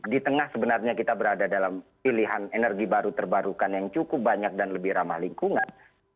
di tengah sebenarnya kita berada dalam pilihan energi baru terbarukan yang cukup banyak dan lebih ramah lingkungan